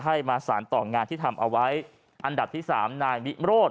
ให้มาสารต่องานที่ทำเอาไว้อันดับที่สามนายวิโรธ